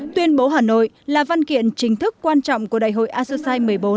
tuyên bố hà nội là văn kiện chính thức quan trọng của đại hội asosai một mươi bốn